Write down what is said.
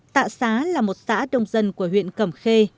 tạ xá là một xã đông dân của huyện cẩm khê